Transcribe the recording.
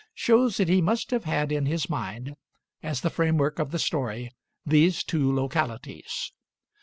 shows that he must have had in his mind, as the framework of the story, these two localities.